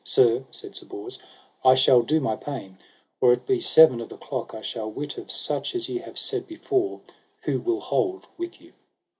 Sir, said Sir Bors, I shall do my pain, and or it be seven of the clock I shall wit of such as ye have said before, who will hold with you.